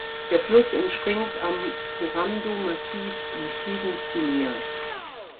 Der Fluss entspringt am Kourandou-Massif im Süden Guineas.